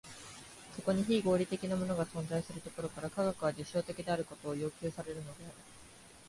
そこに非合理的なものが存在するところから、科学は実証的であることを要求されるのである。